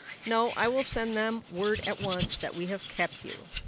"No; I will send them word at once that we have kept you."